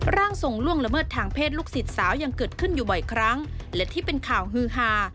ร่างทรงล่วงละเมิดทางเพศลูกศิษย์สาวยังเกิดขึ้นอยู่บ่อยครั้งและที่เป็นข่าวฮือฮา